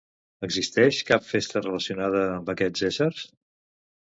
Existeix cap festa relacionada amb aquests éssers?